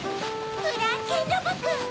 フランケンロボくん！